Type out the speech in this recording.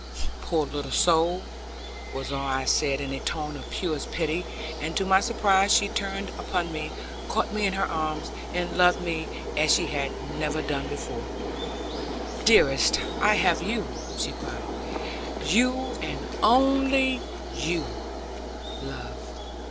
'Poor little soul!' was all I said in a tone of purest pity; and to my surprise she turned upon me, caught me in her arms, and loved me as she had never done before. 'Dearest, I have you,' she cried; 'you, and only you, love.